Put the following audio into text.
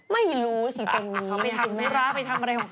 ไม่รู้สิเพราะมี